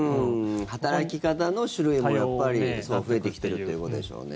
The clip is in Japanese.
働き方の種類もやっぱり増えてきてるということでしょうね。